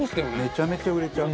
めちゃめちゃ売れちゃう。